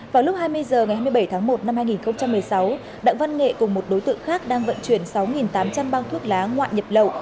vào lúc hai mươi h ngày hai mươi bảy tháng một năm hai nghìn một mươi sáu đặng văn nghệ cùng một đối tượng khác đang vận chuyển sáu tám trăm linh bao thuốc lá ngoại nhập lậu